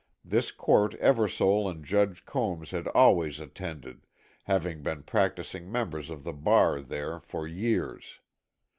This court Eversole and Judge Combs had always attended, having been practising members of the bar there for years.